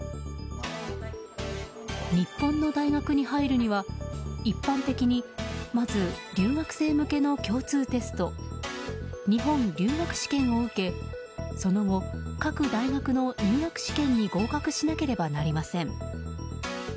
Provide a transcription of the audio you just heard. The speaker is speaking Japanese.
日本の大学に入るには、一般的にまず留学生向けの共通テスト日本留学試験を受けその後、各大学の入学試験に合格しなければなりません。